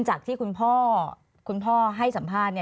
จากที่คุณพ่อให้สัมภาษณ์